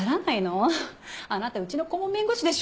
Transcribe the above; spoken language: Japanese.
あなたうちの顧問弁護士でしょ。